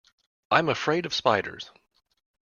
I'm afraid of spiders.